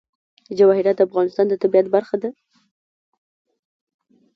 جواهرات د افغانستان د طبیعت برخه ده.